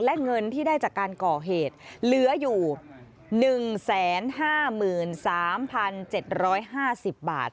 และเงินที่ได้จากการก่อเหตุเหลืออยู่หนึ่งแสนห้าหมื่นสามพันเจ็ดร้อยห้าสิบบาท